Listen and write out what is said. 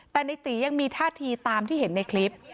แต่ในตียังมีท่าทีตามที่เห็นในคลิป